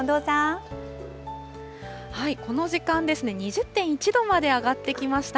この時間ですね、２０．１度まで上がってきました。